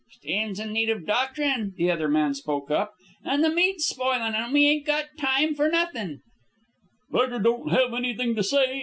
"Stands in need of doctorin'," the other man spoke up, "and the meat's spoilin', and we ain't got time for nothin'." "Beggar don't have anythin' to say.